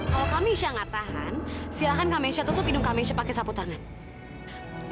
kalau kamisya gak tahan silahkan kamisya tutup hidung kamisya pakai sapu tangan